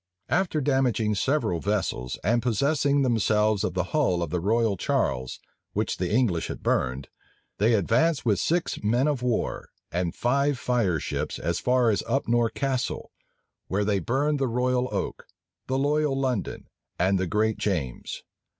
After damaging several vessels, and possessing themselves of the hull of the Royal Charles, which the English had burned, they advanced with six men of war and five fireships as far as Upnore Castle, where they burned the Royal Oak, the Loyal London, and the Great James.